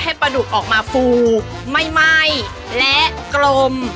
ปลาดุกออกมาฟูไม่ไหม้และกลม